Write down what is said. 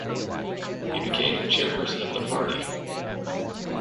He became the chairperson of the party.